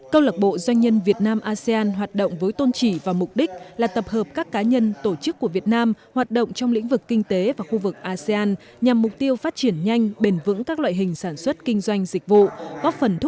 câu lạc bộ doanh nhân việt nam asean hoạt động với tôn trị và mục đích là tập hợp các cá nhân tổ chức của việt nam hoạt động trong lĩnh vực kinh tế và khu vực asean nhằm mục tiêu phát triển nhanh bền vững các loại hình sản xuất kinh doanh dịch vụ